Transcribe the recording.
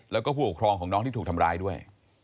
แล้วก็ผู้ปกครองของน้องที่ถูกทำร้ายด้วย